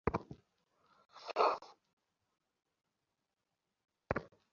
এ বাড়িতে আসা পর্যন্ত অপু যেন দূরে চলিয়া গিয়াছে।